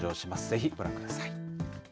ぜひ、ご覧ください。